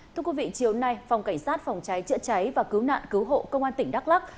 thưa quý vị chiều nay phòng cảnh sát phòng cháy chữa cháy và cứu nạn cứu hộ công an tỉnh đắk lắc